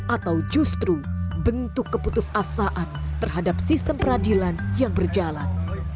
atau justru bentuk keputusasaan terhadap sistem peradilan yang berjalan